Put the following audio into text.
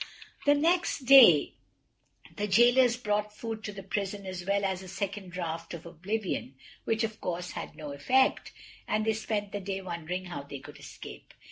The next day the Jailers brought food to the prison, as well as a second draught of oblivion, which, of course, had no effect, and they spent the day wondering how they could escape.